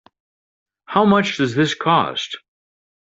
How much does this cost?